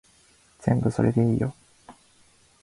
全部それでいいよ